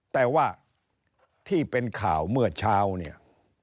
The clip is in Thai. แต่ว่าที่เป็นข่าวเมื่อเช้าเนี่ย